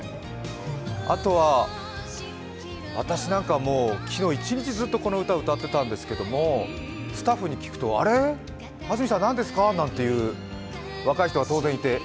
あとは私なんかは昨日、一日中この歌歌ってたんですけどスタッフに聞くと、あれ、安住さん、何ですかなんて言う若い人は当然いて。